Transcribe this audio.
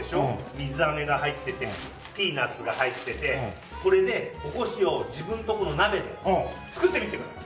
水飴が入っててピーナッツが入っててこれでおこしを自分のところの鍋で作ってみてください。